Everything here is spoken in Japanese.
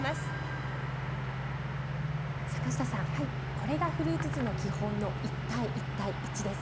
これがフルーツ酢の基本の１：１：１です。